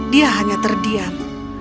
dia hanya terdiam